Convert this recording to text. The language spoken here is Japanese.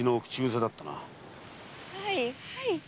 はいはい。